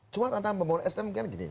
cuma tantangan pembangun sdm kan gini